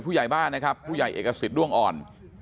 ผู้ใหญ่บ้านนะครับผู้ใหญ่เอกสิทธิ์ด้วงอ่อน